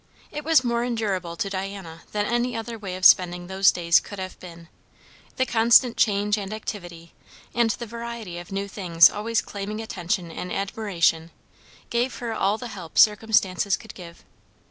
It was more endurable to Diana than any other way of spending those days could have been; the constant change and activity, and the variety of new things always claiming attention and admiration, gave her all the help circumstances could give.